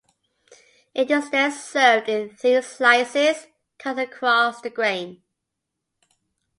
It is then served in thin slices, cut across the grain.